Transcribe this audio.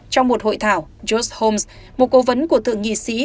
trong một hội thảo george holmes một cố vấn của thượng nghị sĩ